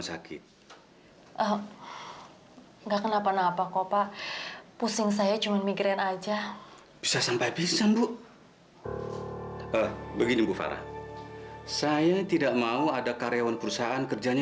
sampai jumpa di video selanjutnya